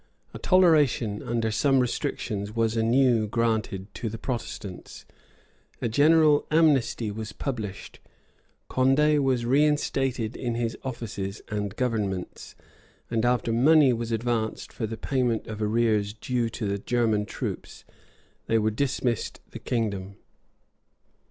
A toleration under some restrictions was anew granted to the Protestants; a general amnesty was published; Condé was reinstated in his offices and governments; and after money was advanced for the payment of arrears due to the German troops, they were dismissed the kingdom.